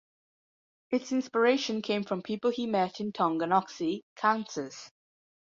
Its inspiration came from people he met in Tonganoxie, Kansas.